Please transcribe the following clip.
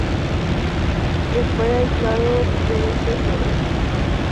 Que fue aislado de heces de ovejas.